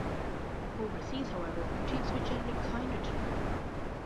Overseas, however, critics were generally kinder to the film.